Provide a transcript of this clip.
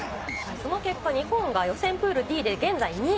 日本が予選プールＤで現在２位。